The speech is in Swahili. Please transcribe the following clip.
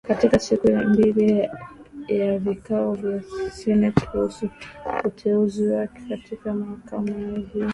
Katika siku ya pili ya vikao vya seneti kuhusu uteuzi wake katika mahakama ya juu